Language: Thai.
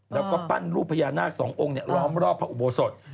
แล้วก็ปั้นรูปพญานาคสององค์ล้อมรอบพระอุโบสถ